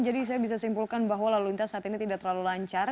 jadi saya bisa simpulkan bahwa lalu lintas saat ini tidak terlalu lancar